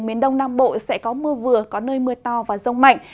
miền đông nam bộ sẽ có mưa vừa có nơi mưa to và rông mạnh